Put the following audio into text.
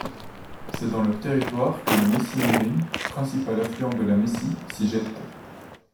C'est dans leur territoire que le Maicimirim, principal affluent de la Maici, s'y jette.